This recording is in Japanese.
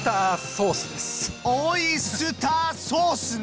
オイスターソースね！